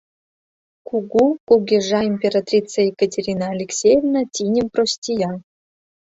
Кугу кугижа императрица Екатерина Алексеевна тиньым простия.